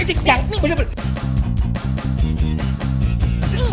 eh cek yang ini